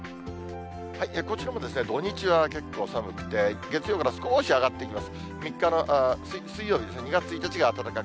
こちらもですね、土日は結構寒くて、月曜から少し上がっています。